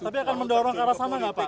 tapi akan mendorong ke arah sana nggak pak